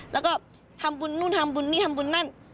แล้วก็ทำบุญนู่นทำบุญนี่ทำบุญนั่น